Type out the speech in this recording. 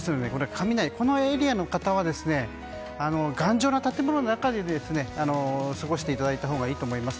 このエリアの方は頑丈な建物中で過ごしていただいたほうがいいと思います。